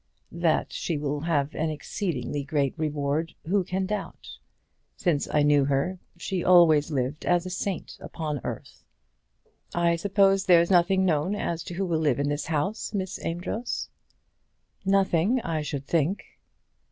That she will have an exceeding great reward, who can doubt? Since I knew her she always lived as a saint upon earth. I suppose there's nothing known as to who will live in this house, Miss Amedroz?" "Nothing; I should think."